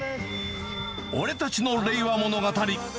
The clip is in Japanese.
俺たちの令和物語。